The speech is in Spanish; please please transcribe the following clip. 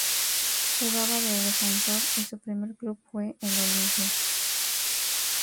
Jugaba de defensor y su primer club fue el Olimpia.